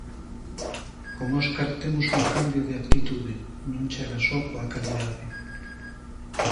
Con Óscar temos un cambio de actitude, non chega só coa calidade.